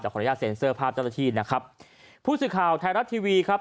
จากฮัลยาเซ็นเซอร์ภาพเจ้าตะทีนะครับผู้สื่อข่าวไทยรัตน์ทีวีครับ